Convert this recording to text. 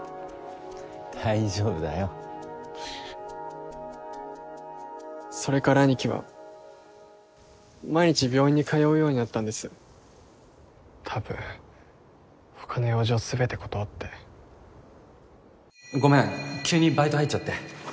大丈夫だよそれから兄貴は毎日病院に通うようになったんです多分他の用事を全て断ってごめん急にバイト入っちゃって